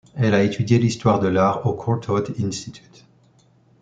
Elle a étudié l'histoire de l'art au Courtauld Institute.